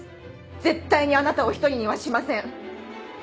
絶対にあなたを独りにはしません。